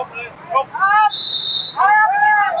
เจ้าตายแล้ว